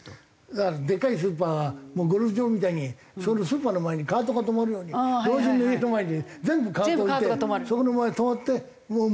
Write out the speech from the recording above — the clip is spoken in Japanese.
だからでかいスーパーもゴルフ場みたいにそのスーパーの前にカートが止まるように老人の家の前に全部カートを置いてそこの前止まって持って帰ると。